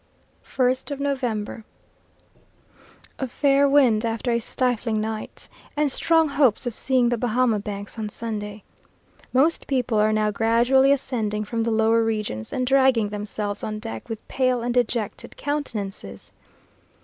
1st November. A fair wind after a stifling night, and strong hopes of seeing the Bahama Banks on Sunday. Most people are now gradually ascending from the lower regions, and dragging themselves on deck with pale and dejected countenances.